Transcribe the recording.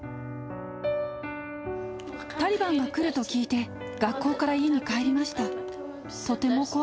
タリバンが来ると聞いて、学校から家に帰りました。